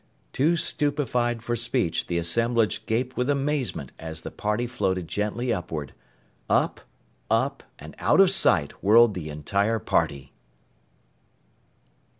Too stupefied for speech, the assemblage gaped with amazement as the party floated gently upward. Up up and out of sight whirled the entire party.